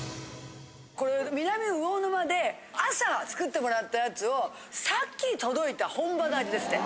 これ南魚沼で朝作ってもらったやつをさっき届いた本場の味ですって。